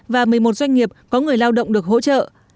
và một mươi một doanh nghiệp có người lao động được hỗ trợ